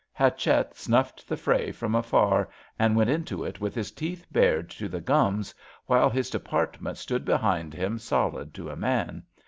Hatchett snuffed the fray from afar and went into it with his teeth bared to the gums, while his Department stood behind him solid to a man.